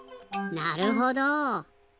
なるほど。